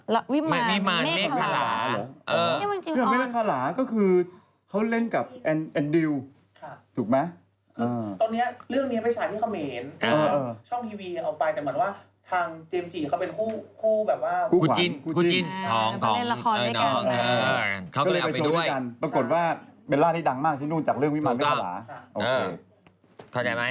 เรื่องอะไรของโปรกิลละดาดิใช่ไหม